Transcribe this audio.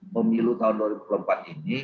pemilu tahun dua ribu empat ini